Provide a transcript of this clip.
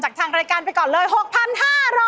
ทางรายการไปก่อนเลย๖๕๐๐บาท